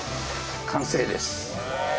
完成です。